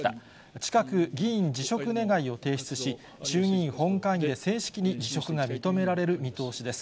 近く、議員辞職願を提出し、衆議院本会議で正式に辞職が認められる見通しです。